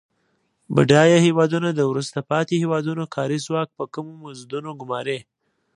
بډایه هیوادونه د وروسته پاتې هېوادونو کاري ځواک په کمو مزدونو ګوماري.